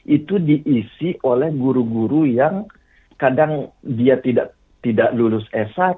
itu diisi oleh guru guru yang kadang dia tidak lulus s satu